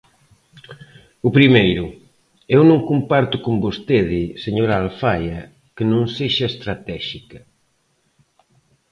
O primeiro: eu non comparto con vostede, señora Alfaia, que non sexa estratéxica.